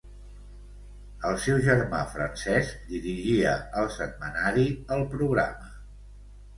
El seu germà Francesc dirigia el setmanari El programa.